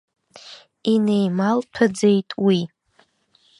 Инеималҭәаӡеит уи.